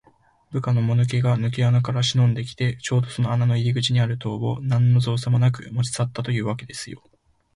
部下のものがぬけ穴からしのんできて、ちょうどその穴の入り口にある塔を、なんのぞうさもなく持ちさったというわけですよ。